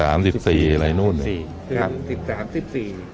๑๓๑๔อะไรนู้นครับ๑๓๑๔